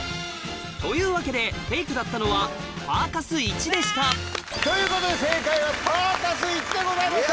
というわけでフェイクだったのはということで正解はパーカスでございました。